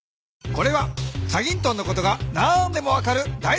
これは『チャギントン』のことが何でも分かるだい